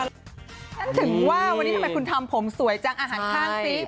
ฉันถึงว่าวันนี้ทำไมคุณทำผมสวยจังอาหารข้างซิ